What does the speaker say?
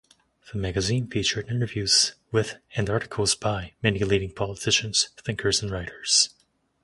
The magazine featured interviews with and articles by many leading politicians, thinkers and writers.